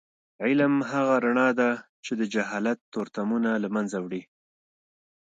علم هغه رڼا ده چې د جهالت تورتمونه له منځه وړي.